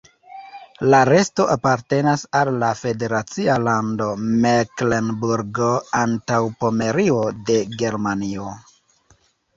La resto apartenas al la federacia lando Meklenburgo-Antaŭpomerio de Germanio.